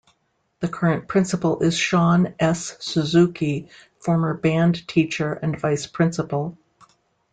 The current principal is Shawn S. Suzuki, former band teacher and vice-principal.